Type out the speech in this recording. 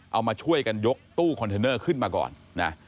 เอามาช่วยกันยกตู้คอนเทนเนอร์ขึ้นมาก่อนนะ